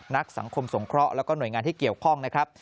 นักสังคมสงเคราะห์แล้วก็หน่วยงานที่เกี่ยวข้องนะครับ